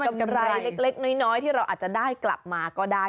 กำไรเล็กน้อยที่เราอาจจะได้กลับมาก็ได้